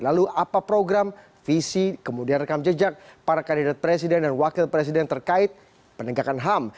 lalu apa program visi kemudian rekam jejak para kandidat presiden dan wakil presiden terkait penegakan ham